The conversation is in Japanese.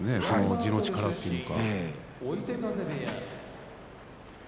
地の力というのか。